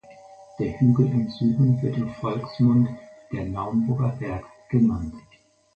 Der Hügel im Süden wird im Volksmund der „Naumburger Berg“ genannt.